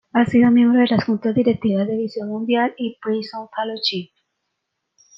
Ha sido miembro de las Juntas Directivas de Visión Mundial y Prison Fellowship.